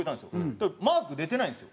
だけどマーク出てないんですよ。